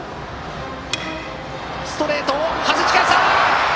ストレートはじき返した！